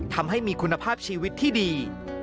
ทำให้มีคุณภาพชีวิตที่ดี